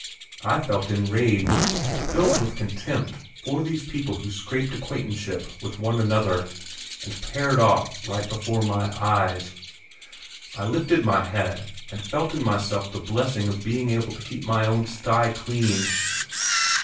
I felt enraged; filled with contempt for these people who scraped acquaintanceship with one another, and paired off right before my eyes. I lifted my head, and felt in myself the blessing of being able to keep my own sty clean.